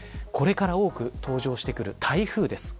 これから多く登場してくる台風です。